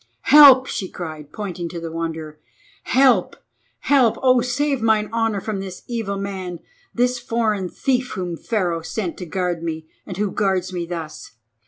"Help," she cried, pointing to the Wanderer. "Help, help! oh, save mine honour from this evil man, this foreign thief whom Pharaoh set to guard me, and who guards me thus.